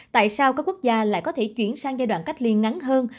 tại sao các quốc gia lại có thể chuyển sang giai đoạn cách ly ngắn hơn